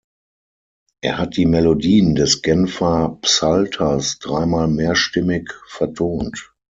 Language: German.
Er hat die Melodien des Genfer Psalters drei Mal mehrstimmig vertont.